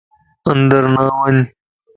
اندر نه وڃ